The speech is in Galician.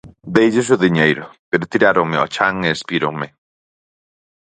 Deilles o diñeiro, pero tiráronme ao chan e espíronme.